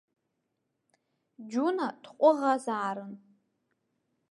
Џьуна дҟәыӷазаарын.